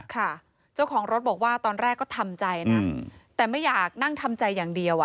ค่ะเจ้าของรถบอกว่าตอนแรกก็ทำใจนะแต่ไม่อยากนั่งทำใจอย่างเดียวอ่ะ